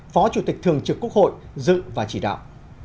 phó chủ tịch thường trực quốc hội dự và chỉ đạo